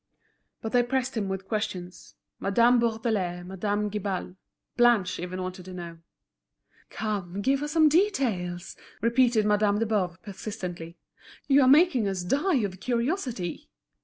But they pressed him with questions: Madame Bourdelais, Madame Guibal, Blanche even wanted to know. "Come, give us some details," repeated Madame de Boves, persistently. "You are making us die of curiosity."